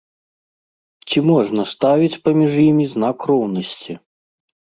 Ці можна ставіць паміж імі знак роўнасці?